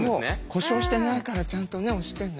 故障してないからちゃんと押してね。